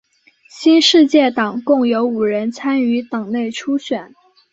新世界党共有五人参与党内初选。